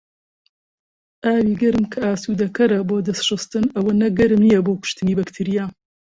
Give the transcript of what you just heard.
ئاوی گەرم کە ئاسودەکەرە بۆ دەست شوشتن ئەوەنە گەورم نیە بۆ کوشتنی بەکتریا.